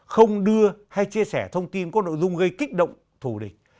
không đưa hay chia sẻ thông tin có nội dung gây kích động thù địch